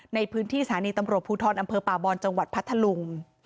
ในพื้นที่สถานีตำรวจภูทรอำเภอป่าบอนจังหวัดพัทธลุง